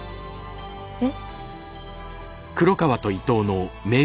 えっ？